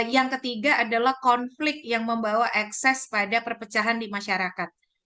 yang ketiga adalah konflik yang membawa ekses pada perpecahan di masyarakat